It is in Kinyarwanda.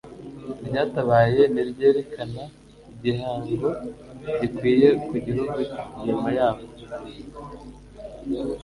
iryatabaye n'iryerekana igihango gikwiye ku gihugu nyuma yaho.